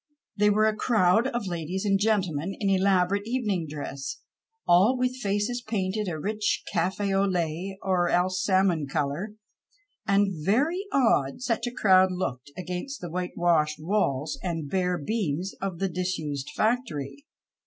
They were a crowd of ladies and gentle men in elaborate evening dress, all with faces painted a rich cafe au lait or else salmon colour, and very odd such a crowd looked against the whitewashed walls and bare beams of the disused factory.